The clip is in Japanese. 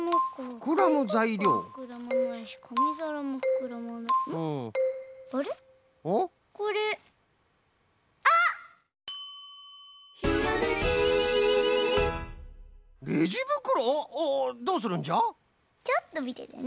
ちょっとみててね。